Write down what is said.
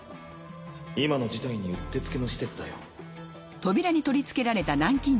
今の事態にうってつけの施設だよ。